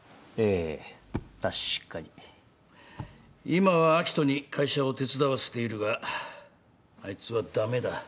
今は明人に会社を手伝わせているがあいつは駄目だ。